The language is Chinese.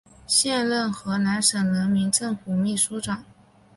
现任河南省人民政府秘书长。